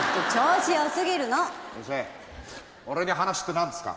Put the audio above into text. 俺に話って何ですか？